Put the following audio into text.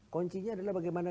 koncinya adalah bagaimana